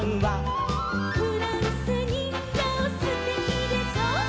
「フランスにんぎょうすてきでしょ」